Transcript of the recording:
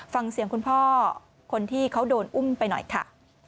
ฟังเสียงคุณพ่อคนที่เขาโดนอุ้มไปหน่อยค่ะ